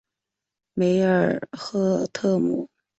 梅尔赫特姆。